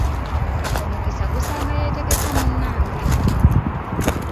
Omukisa gusanga yeetegesse munange!